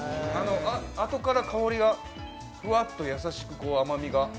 あとから香りがふわっと優しく甘みが。